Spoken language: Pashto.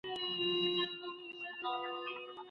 پانګه اچونه د راتلونکي لپاره تضمین دی.